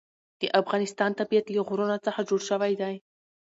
د افغانستان طبیعت له غرونه څخه جوړ شوی دی.